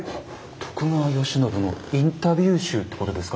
徳川慶喜のインタビュー集ってことですか？